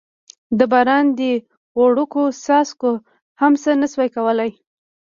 د باران دې وړوکو څاڅکو هم څه نه شوای کولای.